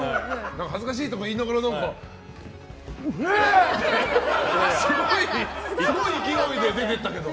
恥ずかしいとか言いながらすごい勢いで出てったけど。